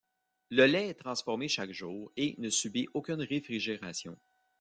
Le lait est transformé chaque jour et ne subit aucune réfrigération.